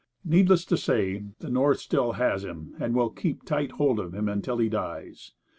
Needless to say, the North still has him and will keep tight hold of him until he dies.